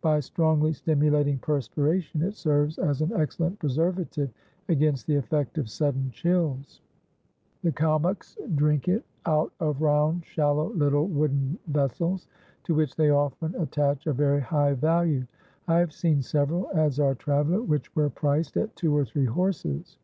By strongly stimulating perspiration it serves as an excellent preservative against the effect of sudden chills. The Kalmuks drink it out of round shallow little wooden vessels, to which they often attach a very high value. I have seen several," adds our traveller, "which were priced at two or three horses.